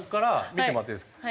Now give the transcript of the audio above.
見てもらっていいですか？